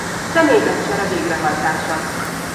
Személyzet csere végrehajtása.